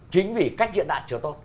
chính vì cách diễn đạt chưa tốt